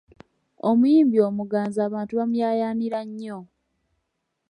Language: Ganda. Omuyimbi omuganzi abantu bamuyaayaanira nnyo.